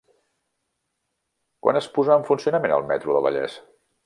Quan es posà en funcionament el “Metro del Vallès”?